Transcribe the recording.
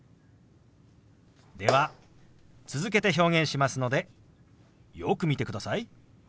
では続けて表現しますのでよく見てください。